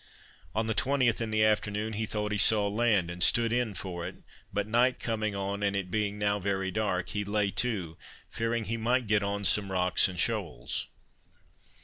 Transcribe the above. On the 20th, in the afternoon, he thought he saw land, and stood in for it; but night coming on, and it being now very dark, he lay to, fearing he might get on some rocks and shoals.